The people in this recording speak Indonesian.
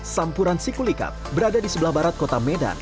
sampuran sikulikat berada di sebelah barat kota medan